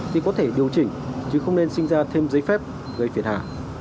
thì có thể điều chỉnh chứ không nên sinh ra thêm giấy phép gây phiền hà